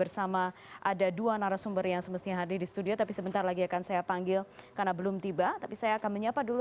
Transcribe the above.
sudah diterima perbaikannya